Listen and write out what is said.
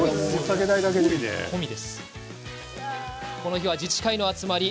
この日は、自治会の集まり。